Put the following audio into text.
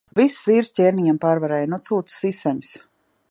Visus vīrus ķēniņam pārvarēju. Nu sūta siseņus.